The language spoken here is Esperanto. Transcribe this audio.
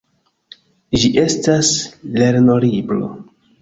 Ĝi estas lernolibro.